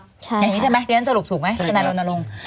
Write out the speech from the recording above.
อย่างนี้ใช่ไหมเรียนสรุปถูกไหม